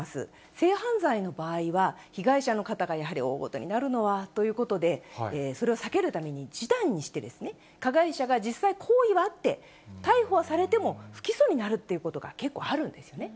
性犯罪の場合は、被害者の方がやはり大ごとになるのはということで、それを避けるために示談にして、加害者が実際行為はあって、逮捕はされても、不起訴になるということが結構あるんですよね。